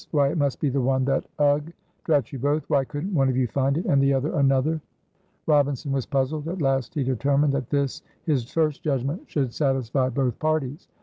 why it must be the one that ugh! Drat you both! why couldn't one of you find it, and the other another?" Robinson was puzzled. At last he determined that this his first judgment should satisfy both parties.